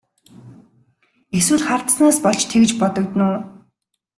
Эсвэл хардсанаас болж тэгж бодогдоно уу?